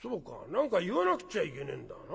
何か言わなくちゃいけねえんだな。